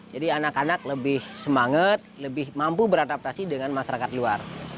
jadi anak anak lebih semangat lebih mampu beradaptasi dengan masyarakat luar